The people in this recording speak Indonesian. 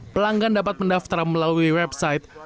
pelanggan dapat mendaftar melalui website